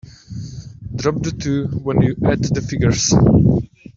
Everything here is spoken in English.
Drop the two when you add the figures.